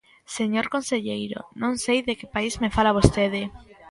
Señor conselleiro, non sei de que país me fala vostede.